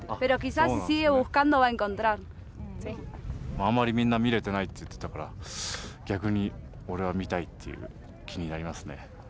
あんまりみんな見れてないって言ってたから逆に俺は見たいっていう気になりますね。